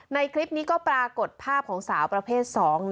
ในคลิปนี้ก็ปรากฏภาพของสาวประเภท๒